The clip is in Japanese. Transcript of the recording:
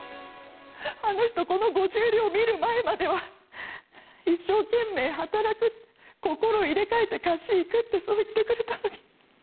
あの人この５０両を見る前までは一生懸命働くって心を入れ替えて河岸行くってそう言ってくれたのに。